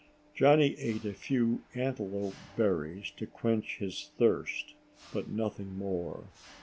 Johnny ate a few antelope berries to quench his thirst, but nothing more.